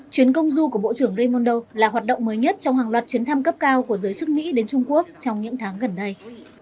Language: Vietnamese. chuyến công du của bộ trưởng raymondo là hoạt động mới nhất trong hàng loạt chuyến thăm cấp cao của giới chức mỹ đến trung quốc trong những tháng gần đây